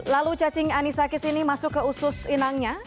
lalu cacing anisakis ini masuk ke usus inangnya